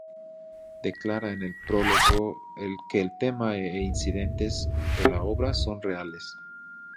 Declara en el prólogo que el tema e incidentes de la obra son reales.